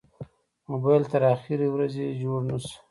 موبایل تر اخرې ورځې جوړ نه شو.